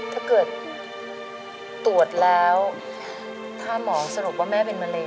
ถ้าเกิดตรวจแล้วถ้าหมอสรุปว่าแม่เป็นมะเร็